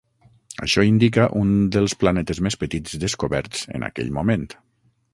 Això indica un dels planetes més petits descoberts en aquell moment.